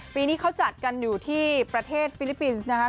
ปีนี้เขาจัดกันอยู่ที่ประเทศฟิลิปปินส์นะคะ